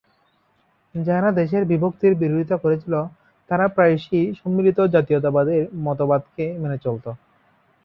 যারা দেশের বিভক্তির বিরোধিতা করেছিল তারা প্রায়শই সম্মিলিত জাতীয়তাবাদের মতবাদকে মেনে চলত।